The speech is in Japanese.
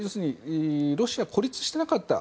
ロシアは孤立していなかった。